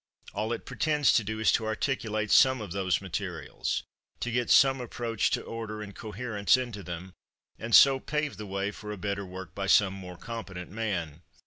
All it pretends to do is to articulate some of those materials to get some approach to order and coherence into them, and so pave the way for a better work by some more competent man.